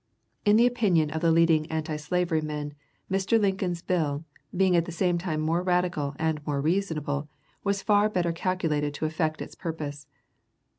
In the opinion of the leading antislavery men, Mr. Lincoln's bill, being at the same time more radical and more reasonable, was far better calculated to effect its purpose.